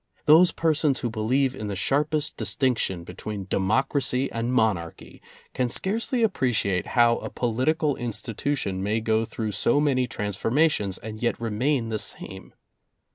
Those persons who believe in the sharpest distinction be tween democracy and monarchy can scarcely ap preciate how a political institution may go through so many transformations and yet remain the same.